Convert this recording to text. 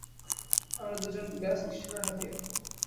আমরা দুজন, ব্যস ঈশ্বরের হাতিয়ার।